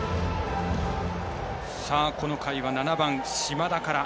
この回は７番、島田から。